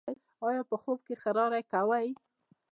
ایا په خوب کې خراری کوئ؟